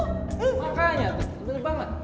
oh kayaknya tuh bener banget